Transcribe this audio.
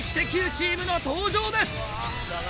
チームの登場です！